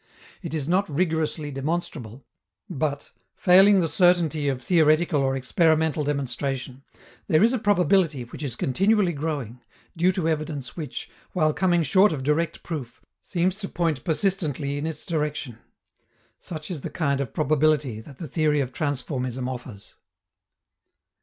It is not rigorously demonstrable; but, failing the certainty of theoretical or experimental demonstration, there is a probability which is continually growing, due to evidence which, while coming short of direct proof, seems to point persistently in its direction: such is the kind of probability that the theory of transformism offers.